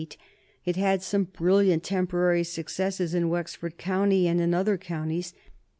It had some brilliant temporary successes in Wexford County and in other counties.